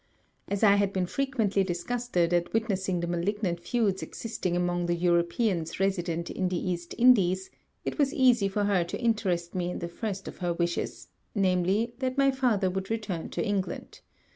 As I had been frequently disgusted at witnessing the malignant feuds existing among the Europeans resident in the East Indies, it was easy for her to interest me in the first of her wishes, namely, that my father would return to England.